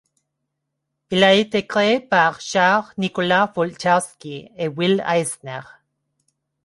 Il a été créé par Charles Nicholas Wojtkowski et Will Eisner.